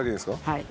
はい。